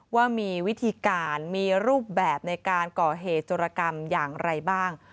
ว่ามีวิธีการมีรูปแบบในการก่อเหตุจรกรรมอย่างไรบ้าง